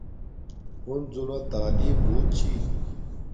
ہنزو نا تعیلم بوت چھی